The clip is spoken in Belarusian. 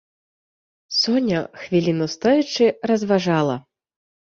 Соня, хвіліну стоячы, разважала.